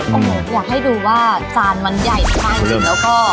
อยากให้ดูว่าจานมันใหญ่มากจริง